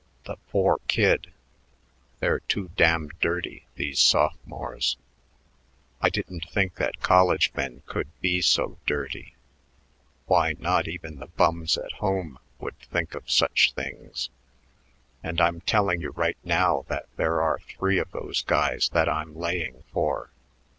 The poor kid! They're too damn dirty, these sophomores. I didn't think that college men could be so dirty. Why, not even the bums at home would think of such things. And I'm telling you right now that there are three of those guys that I'm layin' for.